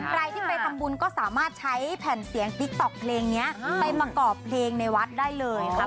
ใครที่ไปทำบุญก็สามารถใช้แผ่นเสียงติ๊กต๊อกเพลงนี้ไปประกอบเพลงในวัดได้เลยค่ะ